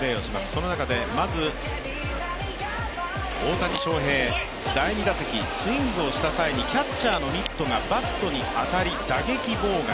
その中でまず大谷翔平、第２打席、スイングをした際にキャッチャーのミットがバットに当たり打撃妨害。